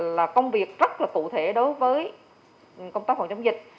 là công việc rất là cụ thể đối với công tác phòng chống dịch